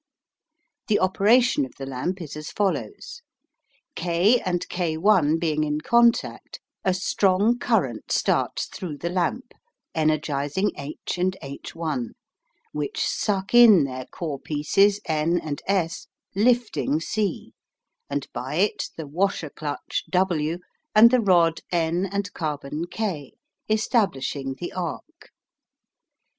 The operation of the lamp is as follows: K and K' being in contact, a strong current starts through the lamp energising H and H', which suck in their core pieces N and S, lifting C, and by it the "washer clutch" W and the rod N and carbon K, establishing the arc.